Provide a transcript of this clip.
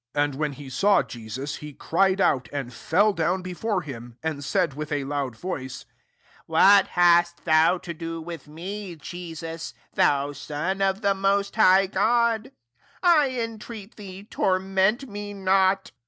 28 And when he saw [Jesus,] he cried out, and fell down before him, and said with a loud voice, " What hast thou to do with me, [Jesus] thou son of the most high [God] ? I en treat thee, torment me not.